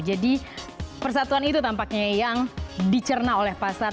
jadi persatuan itu tampaknya yang dicerna oleh pasar